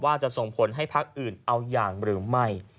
ว่าจะส่งผลให้พักอื่นเอาอย่างหรือไม่